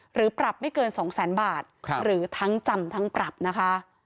หรือปรับไม่เกินสองแสนบาทหรือทั้งจำทั้งปรับนะคะ